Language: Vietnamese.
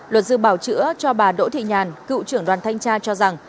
luật sư bảo chữa cho bà đỗ thị nhàn cựu trưởng đoàn thanh tra cho rằng